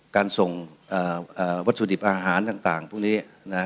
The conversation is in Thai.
การส่งวัตถุดิบอาหารต่างพวกนี้นะ